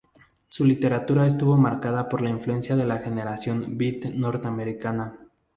Su literatura estuvo marcada por la influencia de la generación beat norteamericana.